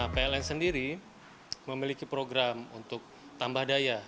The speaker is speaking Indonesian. pln sendiri memiliki program untuk tambah daya